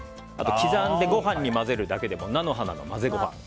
あと、刻んでご飯に混ぜるだけでも菜の花の混ぜご飯。